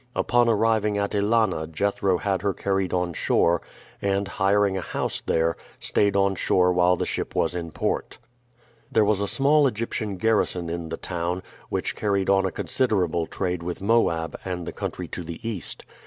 Upon arriving at Ælana Jethro had her carried on shore, and, hiring a house there, stayed on shore while the ship was in port. There was a small Egyptian garrison in the town, which carried on a considerable trade with Moab and the country to the east.